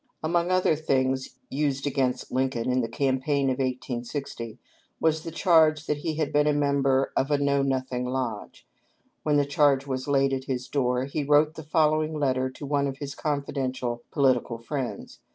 Among other things used against Lincoln in the campaign of 1 860 was the charge that he had been a member of a Know Nothing lodge. When the charge was laid at his door he wrote the following letter to one of his confidential political friends.